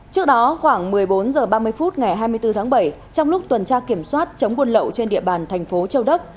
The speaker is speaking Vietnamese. trước đó khoảng một mươi bốn h ba mươi phút ngày hai mươi bốn tháng bảy trong lúc tuần tra kiểm soát chống buôn lậu trên địa bàn thành phố châu đốc